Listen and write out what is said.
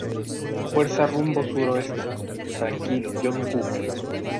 fuerza rumbo suroeste. tranquilo, yo me ocupo